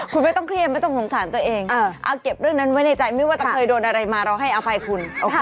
คุณไม่ต้องเครียดไม่ต้องสงสารตัวเองเอาเก็บเรื่องนั้นไว้ในใจไม่ว่าจะเคยโดนอะไรมาเราให้อภัยคุณ